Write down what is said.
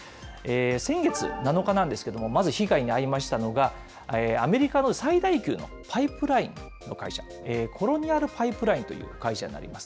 先月７日なんですけれども、まず被害に遭いましたのが、アメリカの最大級のパイプラインの会社、コロニアル・パイプラインという会社になります。